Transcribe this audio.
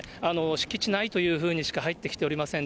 敷地内というふうにしか入ってきておりません。